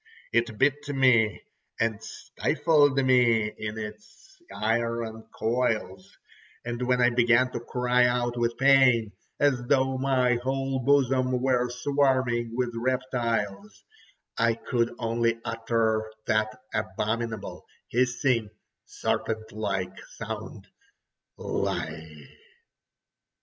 It bit me, and stifled me in its iron coils, and when I began to cry out with pain, as though my whole bosom were swarming with reptiles, I could only utter that abominable, hissing, serpent like sound: "Lie!"